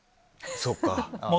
そっか。